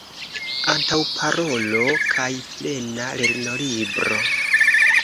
Antaŭparolo kaj plena lernolibro.